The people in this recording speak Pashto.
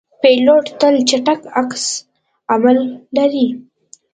پیلوټ تل چټک عکس العمل لري.